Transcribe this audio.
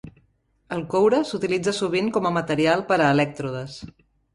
El coure s'utilitza sovint com a material per a elèctrodes.